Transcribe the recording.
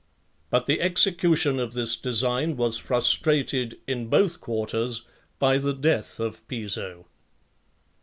But the execution of this design was frustrated in both quarters by the death of Piso.